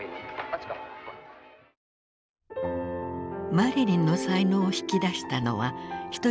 マリリンの才能を引き出したのは一人の男性だった。